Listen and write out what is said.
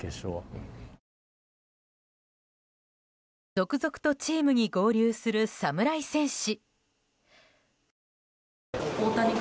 続々とチームに合流する侍戦士。